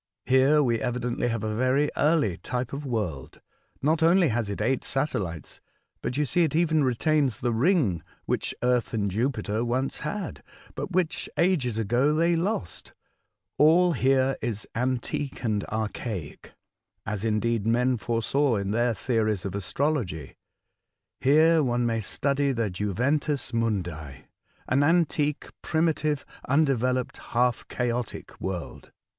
Here we evidently have a very early type of world. Not only has it eight satellites, but you see it even retains the ring which Earth and Jupiter once had, but which ages ago they lost. All here is antique and archaic, as, indeed, men foresaw in their theories of astrology. Here one may study the juventus nnundi — an antique, primitive, undeveloped, half chaotic world."